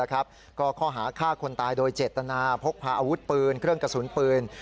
ก็ข้อหาฆ่าคนตายโดยเจตนาพกพาอาวุธปืนเครื่องกระสุนปืน